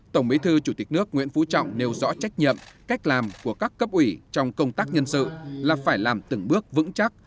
tổng bí thư chủ tịch nước nguyễn phú trọng nêu rõ trách nhiệm cách làm của các cấp ủy trong công tác nhân sự là phải làm từng bước vững chắc